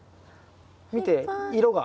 見て色が。